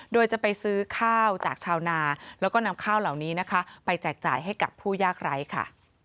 โดยจะไปซื้อข้าวจากชาวนาแล้วก็นำข้าวเหล่านี้นะคะไปแจกจ่ายให้กับผู้ยากไร้ค่ะ